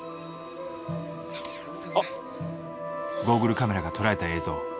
ゴーグルカメラが捉えた映像。